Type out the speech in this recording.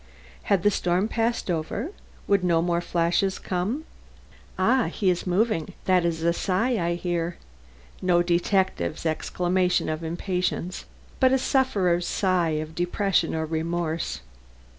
Had the storm passed over? Would no more flashes come? Ah, he is moving that is a sigh I hear no detective's exclamation of impatience, but a sufferer's sigh of depression or remorse.